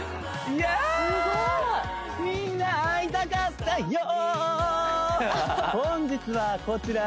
みんな会いたかったよ！